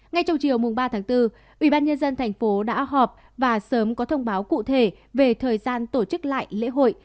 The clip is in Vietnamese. ngay trong chiều ba bốn ubnd thành phố đã họp và sớm có thông báo cụ thể về thời gian tổ chức lại lễ hội